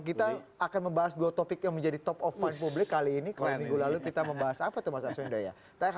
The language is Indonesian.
kita akan membahas dua topik yang menjadi top of mind publik kali ini